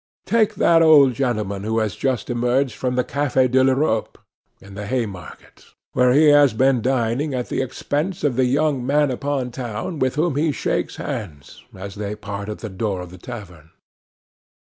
Take that old gentleman who has just emerged from the Café de l'Europe in the Haymarket, where he has been dining at the expense of the young man upon town with whom he shakes hands as they part at the door of the tavern.